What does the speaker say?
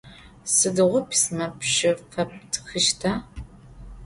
Sıdiğo pisme pşşı feptxışta?